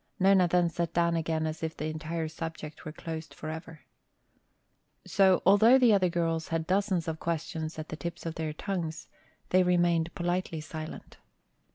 Nona then sat down again as if the entire subject were closed forever. So, although the other girls had dozens of questions at the tips of their tongues, they remained politely silent.